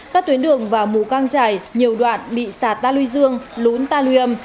các tuyến đường vào mù cang trải nhiều đoạn bị sạt ta lui dương lún ta luyêm